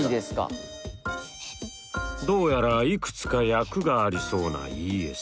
どうやらいくつか訳がありそうなＥＳ。